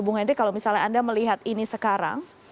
bung hendri kalau misalnya anda melihat ini sekarang